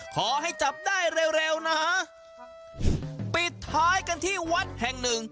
ขอให้จับได้เร็วเร็วนะฮะปิดท้ายกันที่วัดแห่งหนึ่ง